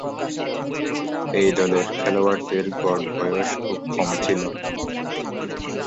এই দলের খেলোয়াড়দের গড় বয়স খুব কম ছিল।